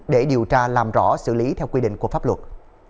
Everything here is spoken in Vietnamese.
để điều tra làm rõ xử lý theo quy định của pháp luật